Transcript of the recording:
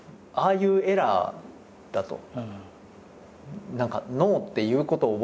「ああいうエラーだ」と。